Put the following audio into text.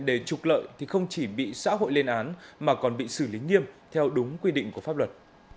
để trục lợi thì không chỉ bị xã hội lên án mà còn bị xử lý nghiêm theo đúng quy định của pháp luật